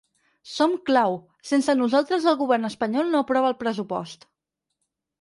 Som clau, sense nosaltres el govern espanyol no aprova el pressupost.